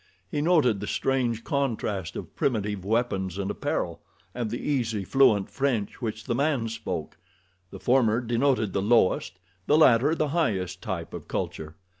He noted the strange contrast of primitive weapons and apparel, and the easy, fluent French which the man spoke. The former denoted the lowest, the latter the highest type of culture.